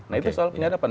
nah itu soal penyedapan